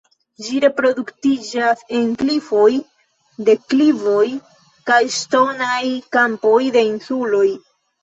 Ĝi reproduktiĝas en klifoj, deklivoj kaj ŝtonaj kampoj de insuloj.